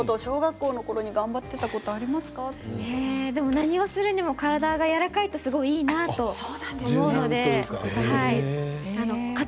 何をするにも体がやわらかいとすごくいいなと思うので。